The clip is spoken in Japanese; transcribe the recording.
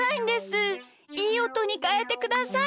いいおとにかえてください。